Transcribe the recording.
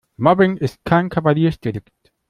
Mobbing ist kein Kavaliersdelikt.